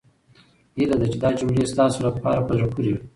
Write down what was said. هيله ده چې دا جملې ستاسو لپاره په زړه پورې وي.